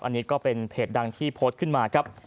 อันนี้ก็เป็นเพจดังที่โพสต์ขึ้นมาครับ